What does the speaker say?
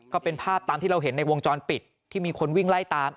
ก็เป็นภาพตามที่เราเห็นในวงจรปิดที่มีคนวิ่งไล่ตาม